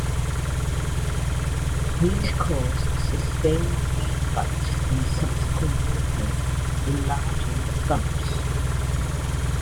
These cause sustained wheel bounce in subsequent vehicles, enlarging the bumps.